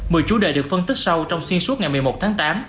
mười chủ đề được phân tích sâu trong xuyên suốt ngày một mươi một tháng tám